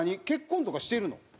結婚とかしてるの？